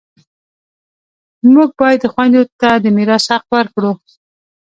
موږ باید و خویندو ته د میراث حق ورکړو